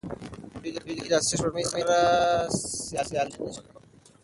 دوی د ځمکې د اصلي سپوږمۍ سره سیالي نه شي کولی.